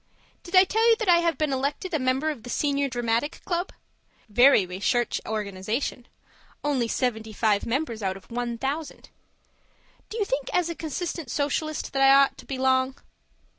Did I tell you that I have been elected a member of the Senior Dramatic Club? Very recherche organization. Only seventy five members out of one thousand. Do you think as a consistent Socialist that I ought to belong?